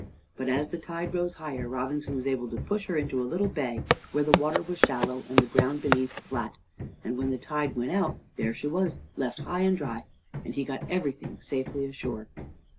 But as the tide rose higher, Robinson was able to push her into a little bay where the water was shallow and the ground beneath flat, and when the tide went out there she was left high and dry, and he got everything safely ashore.